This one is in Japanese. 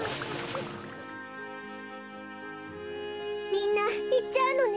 みんないっちゃうのね。